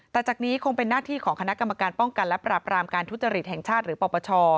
แต่จากนี้คงเป็นหน้าที่ของคณะกรรมการป้องกันและปราบรามการทุจริตแห่งชาติหรือปปช